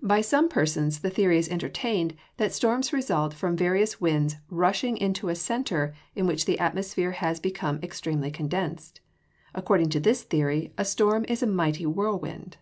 By some persons the theory is entertained that storms result from various winds rushing into a centre in which the atmosphere has become extremely condensed. According to this theory, a storm is a mighty whirlwind.